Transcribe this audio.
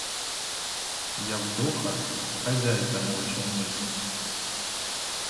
Явдоха — хазяйка на вечорницях.